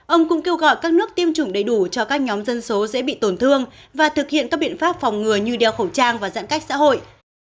ông cũng kêu gọi các nước tiêm chủng đầy đủ cho các nhóm dân số dễ bị tổn thương và thực hiện các biện pháp phòng ngừa như đeo khẩu trang và giãn cách xã hội